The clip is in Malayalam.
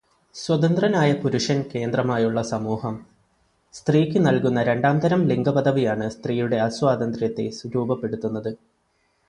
സ്വതന്ത്രനായ പുരുഷൻ കേന്ദ്രമായുള്ള സമൂഹം സ്ത്രീക്ക് നൽകുന്ന രണ്ടാംതരം ലിംഗപദവിയാണ് സ്ത്രീയുടെ അസ്വാതന്ത്ര്യത്തെ രൂപപ്പെടുത്തുന്നത്.